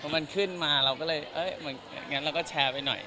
มันขึ้นมาเราก็เลยเหมือนงั้นเราก็แชร์ไปหน่อย